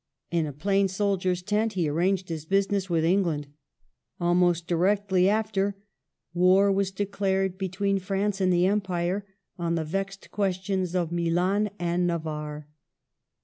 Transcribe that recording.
In a plain soldier's tent he arranged his business with England. Almost directly after, war was declared between France and the Empire, on the vexed questions of Milan and Navarre.